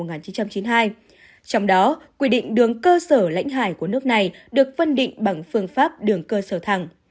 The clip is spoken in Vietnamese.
trong đó quy định đường cơ sở lãnh hải của nước này được phân định bằng phương pháp đường cơ sở thẳng